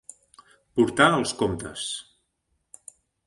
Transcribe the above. Portar els comptes.